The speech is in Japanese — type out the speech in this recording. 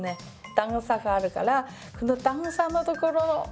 段差があるからこの段差のところを拭きます。